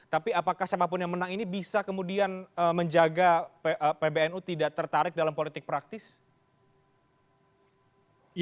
tapi apakah siapapun yang menang ini bisa kemudian menjaga pbnu tidak tertarik dalam politik praktis